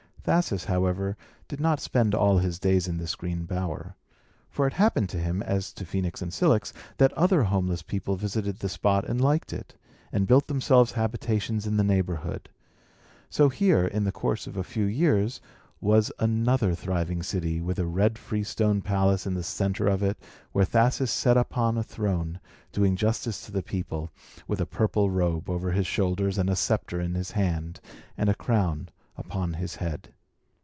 Thasus, however, did not spend all his days in this green bower. For it happened to him, as to Phœnix and Cilix, that other homeless people visited the spot and liked it, and built themselves habitations in the neighbourhood. So here, in the course of a few years, was another thriving city with a red freestone palace in the centre of it, where Thasus set upon a throne, doing justice to the people, with a purple robe over his shoulders, a sceptre in his hand, and a crown upon his head.